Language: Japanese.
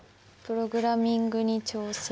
「プログラミングに挑戦！」。